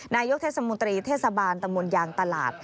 นายกเทศมนตรีเทศบาลตะมนต์ยางตลาด